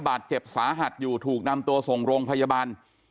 บาดเจ็บสาหัสอยู่ถูกนำตัวส่งโรงพยาบาล